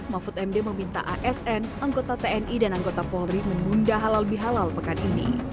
mahfud md meminta asn anggota tni dan anggota polri menunda halal bihalal pekan ini